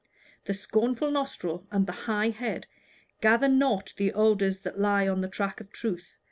The scornful nostril and the high head gather not the odors that lie on the track of truth.